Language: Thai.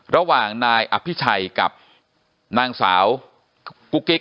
ระหว่างนายอภิชัยกับนางสาวกุ๊กกิ๊ก